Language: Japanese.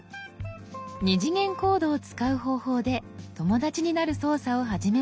２次元コードを使う方法で「友だち」になる操作を始めました。